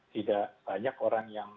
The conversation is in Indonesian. tidak banyak orang yang